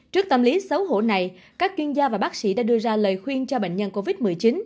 trước tâm lý xấu hổ này các chuyên gia và bác sĩ đã đưa ra lời khuyên cho bệnh nhân covid một mươi chín